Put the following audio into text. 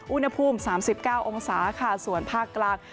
อุณหภูมิ๓๙องศาค่ะส่วนภาคกลาง